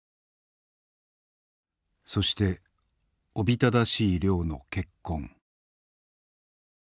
そしておびただしい量の血痕。